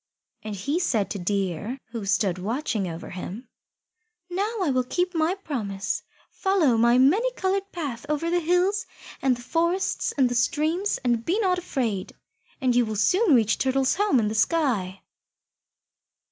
And he said to Deer, who stood watching him, "Now I will keep my promise. Follow my many coloured path over the hills and the forests and the streams, and be not afraid, and you will soon reach Turtle's home in the sky."